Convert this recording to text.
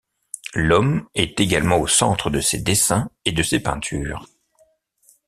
L'Homme est également au centre de ses dessins et de ses peintures.